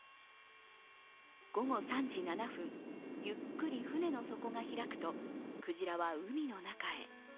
午後３時７分ゆっくり船の底が開くとクジラは海の中へ。